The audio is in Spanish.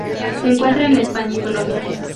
Se encuentra en España y Polonia.